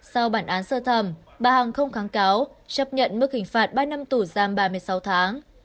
sau bản án sơ thẩm bà hằng không kháng cáo chấp nhận mức hình phạt ba năm tù giam ba mươi sáu tháng